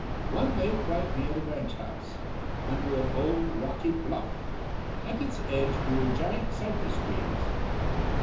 One lay quite near the ranch house, under a bold rocky bluff; at its edge grew giant cypress trees.